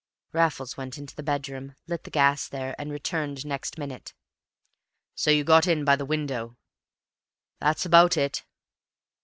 Raffles went into the bedroom, lit the gas there, and returned next minute. "So you got in by the window?" "That's about it."